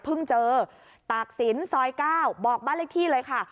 เจอตากศิลป์ซอย๙บอกบ้านเลขที่เลยค่ะ